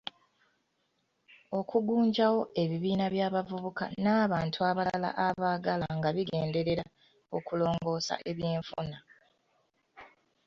Okugunjawo ebibiina by'abavubuka n'abantu abalala abaagala nga bigenderera okulongoosa eby'enfuna.